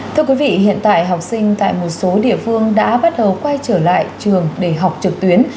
thưa quý vị hiện tại học sinh tại một số địa phương đã bắt đầu quay trở lại trường để học trực tuyến